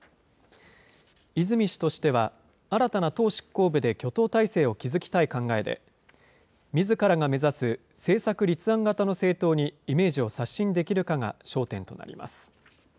泉氏としては、新たな党執行部で挙党態勢を築きたい考えで、みずからが目指す政策立案型の政党にイメージを刷新できるかが焦